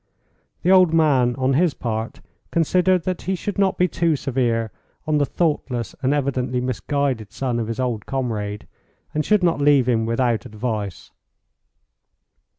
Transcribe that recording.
The old man on his part considered that he should not be too severe on the thoughtless and evidently misguided son of his old comrade, and should not leave him without advice.